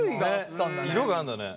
色があるんだね。